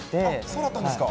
そうだったんですか。